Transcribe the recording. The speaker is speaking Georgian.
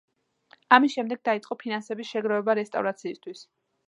ამის შემდეგ დაიწყო ფინანსების შეგროვება რესტავრაციისათვის.